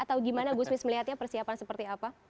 atau gimana gusmis melihatnya persiapan seperti apa